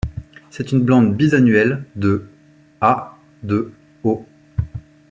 C'est une plante bisannuelle, de à de haut.